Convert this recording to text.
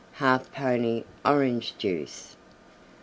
1/2 pony Orange Juice.